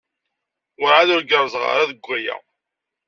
Werɛad ur gerrzeɣ ara deg waya.